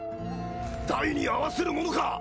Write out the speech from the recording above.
ダイに会わせるものか！